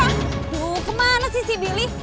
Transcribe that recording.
aduh kemana sih si bili